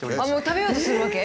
食べようとするわけ？